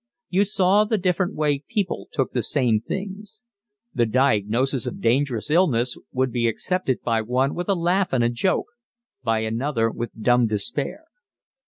You saw the different way people took the same things. The diagnosis of dangerous illness would be accepted by one with a laugh and a joke, by another with dumb despair.